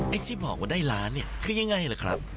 ที่บอกว่าได้ล้านเนี่ยคือยังไงล่ะครับ